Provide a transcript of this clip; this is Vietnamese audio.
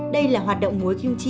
đây là hoạt động của kim chi